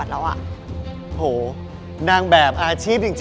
มีไหนต้องมีค่ะหรืออินเนอร์ต้องมา